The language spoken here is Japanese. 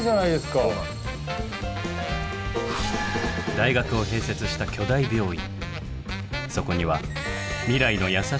大学を併設した巨大病院。